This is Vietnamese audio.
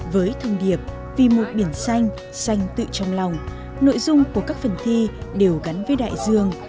với thông điệp vì một biển xanh xanh tự trong lòng nội dung của các phần thi đều gắn với đại dương